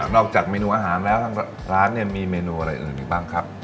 อกจากเมนูอาหารแล้วทางร้านเนี่ยมีเมนูอะไรอื่นอีกบ้างครับ